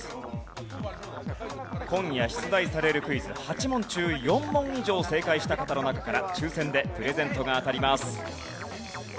今夜出題されるクイズ８問中４問以上正解した方の中から抽選でプレゼントが当たります。